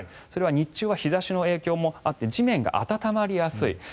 それは日中は日差しの影響もあって地面が暖まりやすい。